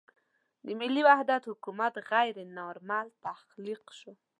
د ملي وحدت حکومت غیر نارمل تخلیق شو.